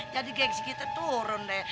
jadi gengsi kita turun deh